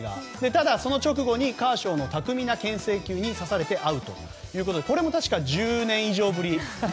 ただ、その直後カーショーの巧みな牽制球に刺されてアウトということでこれも１０年以上ぶり。